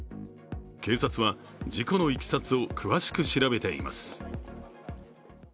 警察は事故のいきさつを詳しく調べています。